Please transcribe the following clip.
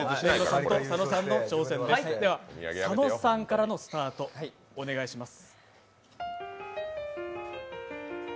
佐野さんからのスタート、お願いします。